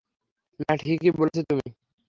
না, ঠিকই বলেছ তুমি।